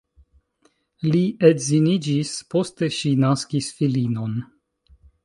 Li edziniĝis, poste ŝi naskis filinon.